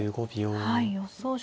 はい予想手。